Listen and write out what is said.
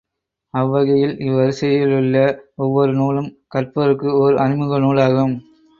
அவ்வகையில் இவ்வரிசையிலுள்ள ஒவ்வொரு நூலும் கற்பவர்க்கு ஒர் அறிமுகநூலாகும்.